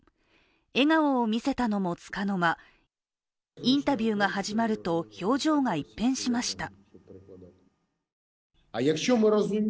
笑顔を見せたのもつかの間インタビューが始まると、表情が一変しました。